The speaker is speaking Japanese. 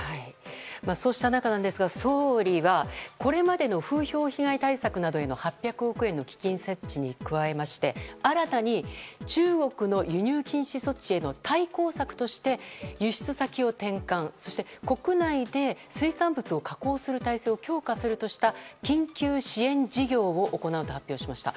そうした中ですが、総理はこれまでの風評被害対策などへの８００億円の基金設置に加えまして新たに中国の輸入禁止措置の対抗策として輸出先を転換そして国内で水産物を加工する体制を強化するとした緊急支援事業を行うと発表しました。